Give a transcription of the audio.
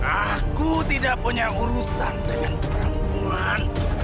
aku tidak punya urusan dengan perempuan